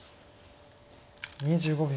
２５秒。